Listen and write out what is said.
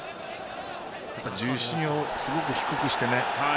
重心をすごく低くして。